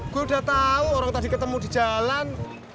gue udah tau orang tadi ketemu di jalan